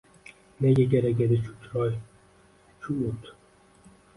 Nega kerak edi shu chiroy, shu o’t